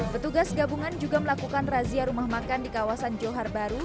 petugas gabungan juga melakukan razia rumah makan di kawasan johar baru